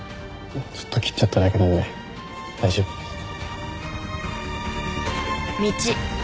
ちょっと切っちゃっただけなので大丈夫です。